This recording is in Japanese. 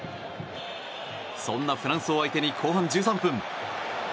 そんなフランスを相手に後半１３分。